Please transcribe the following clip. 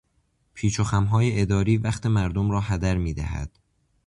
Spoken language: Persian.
پیچوخمهای اداری که وقت مردم را هدر میدهد